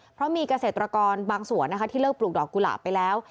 เพราะมีเกษตรกรบางส่วนนะคะที่เลิกปลูกดอกกุหลาบไปแล้ว